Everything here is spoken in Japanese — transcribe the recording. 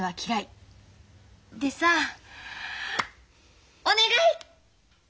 でさお願い！